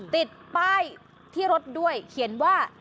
ติดป้ายที่รถด้วยเขียนว่า